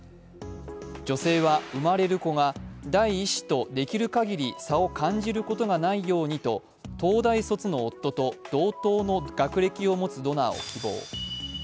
女性は、生まれる子が第１子とできるかぎり差を感じることがないよう東大卒の夫と同等の学歴を持つドナーを希望。